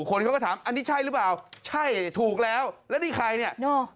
คนเขาก็ถามอันนี้ใช่หรือเปล่าใช่ถูกแล้วแล้วนี่ใครเนี่ยเนอะ